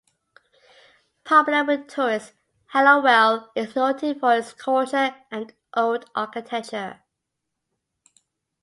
Popular with tourists, Hallowell is noted for its culture and old architecture.